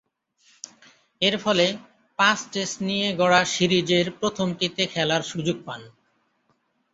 এরফলে, পাঁচ-টেস্ট নিয়ে গড়া সিরিজের প্রথমটিতে খেলার সুযোগ পান।